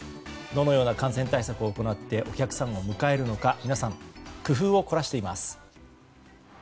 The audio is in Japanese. どのような感染対策を行って迎えるのか皆さん、工夫を凝らしています。